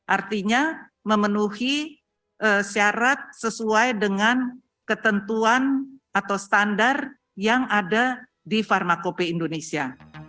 artinya memenuhi syarat sesuai dengan ketentuan atau standar yang ada di pharmacope indonesia